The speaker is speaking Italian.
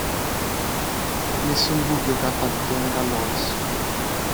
Nessun dubbio che appartenga a Lois!